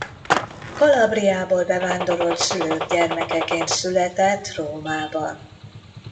Calabriából bevándorolt szülők gyermekeként született Rómában.